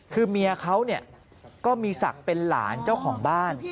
คือเมียเขาก็มีศักดิ์เป็นหลานเจ้าของบ้าน